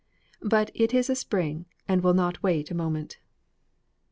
But it is a spring that will not wait a moment.